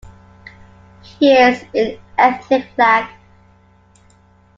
He is an Ethnic Lak.